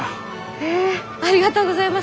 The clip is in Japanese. へえありがとうございます。